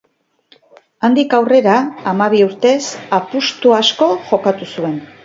Handik aurrera, hamabi urtez, apustu asko jokatu zuen.